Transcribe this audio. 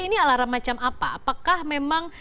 ini alarm macam apa apakah memang